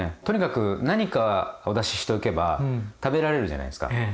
とにかく何かお出ししておけば食べられるじゃないですか。